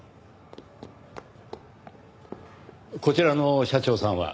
こちらの社長さんは？